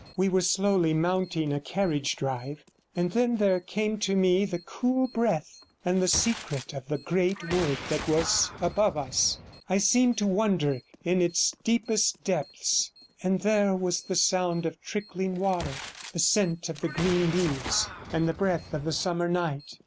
We were slowly mounting a carriage drive, and then there came to me the cool breath and the secret of the great wood that was above us; I seemed to wander in its deepest depths, and there was the sound of trickling water, the scent of the green leaves, and the breath of the summer night.